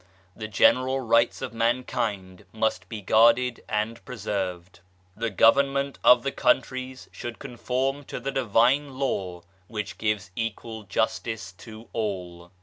The general rights of mankind must be guarded and preserved. The Government of the Countries should conform to the Divine Law which gives equal justice to all.